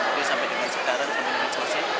sampai dengan sekarang sampai dengan selesai